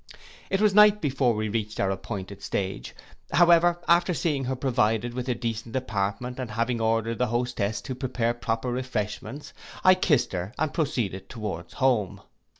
It was night before we reached our appointed stage: however, after seeing her provided with a decent apartment, and having ordered the hostess to prepare proper refreshments, I kissed her, and proceeded towards home.